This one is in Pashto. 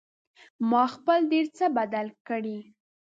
ما خپل ډېر څه بدل کړي